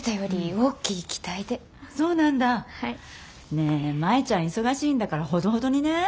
ねえ舞ちゃん忙しいんだからほどほどにね。